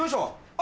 あ！